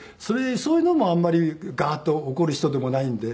そういうのもあんまりガーッと怒る人でもないので。